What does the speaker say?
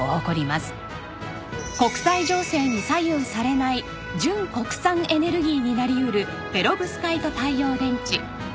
国際情勢に左右されない純国産エネルギーになりうるペロブスカイト太陽電池。